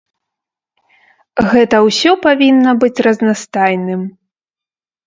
Гэта ўсё павінна быць разнастайным.